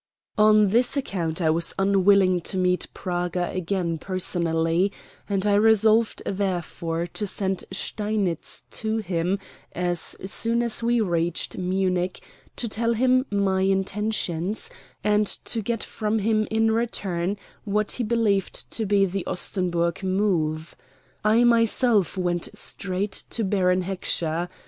On this account I was unwilling to meet Praga again personally, and I resolved therefore to send Steinitz to him as soon as we reached Munich to tell him my intentions, and to get from him in return what he believed to be the Ostenburg move. I myself went straight to Baron Heckscher.